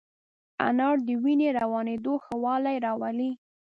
انار د وینې روانېدو ښه والی راولي.